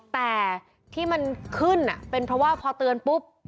แต่ที่มันขึ้นเป็นเพราะว่าพอเตือนปุ๊บ